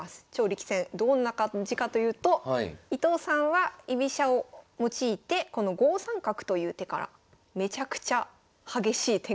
どんな感じかというと伊藤さんは居飛車を用いてこの５三角という手からめちゃくちゃ激しい展開になりました。